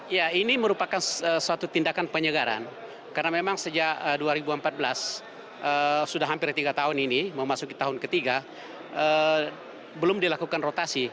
ya ini merupakan suatu tindakan penyegaran karena memang sejak dua ribu empat belas sudah hampir tiga tahun ini memasuki tahun ketiga belum dilakukan rotasi